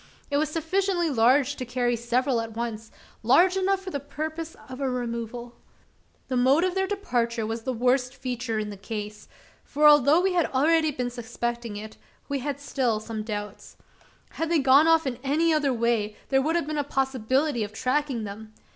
It was sufficiently large to carry several at once large enough for the purpose of a removal. The mode of their departure was the worst feature in the case; for, although we had been already suspecting it, we had still some doubts. Had they gone off in any other way, there would have been a possibility of tracking them.